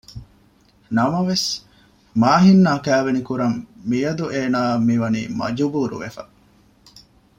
ނަމަވެސް މާހިން އާ ކައިވެނިކުރަން މިޔަދު އޭނާއަށް މި ވަނީ މަޖުބޫރުވެފަ